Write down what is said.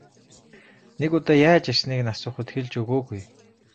Нэг удаа яаж ирснийг нь асуухад хэлж өгөөгүй.